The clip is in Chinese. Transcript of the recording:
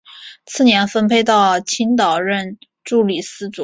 次年分配到青岛任助理司铎。